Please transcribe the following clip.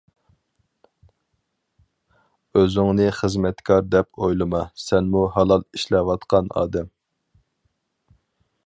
ئۆزۈڭنى خىزمەتكار دەپ ئويلىما، سەنمۇ ھالال ئىشلەۋاتقان ئادەم.